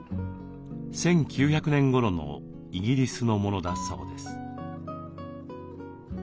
１９００年ごろのイギリスのものだそうです。